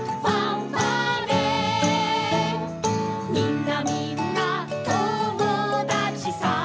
「みんなみんな友だちさ」